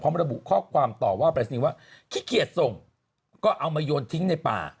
ระบุข้อความต่อว่าปรายศนีย์ว่าขี้เกียจส่งก็เอามาโยนทิ้งในป่า